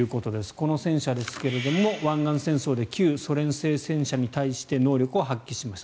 この戦車ですが湾岸戦争で旧ソ連製戦車に対して能力を発揮しました。